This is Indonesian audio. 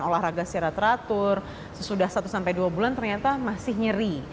olahraga secara teratur sesudah satu sampai dua bulan ternyata masih nyeri